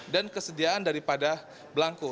dan kesediaan daripada belangkuk